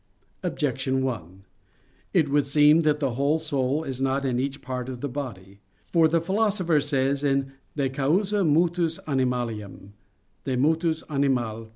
Objection 1: It would seem that the whole soul is not in each part of the body; for the Philosopher says in De causa motus animalium (De mot. animal.